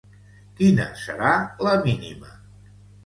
Quina serà la mínima?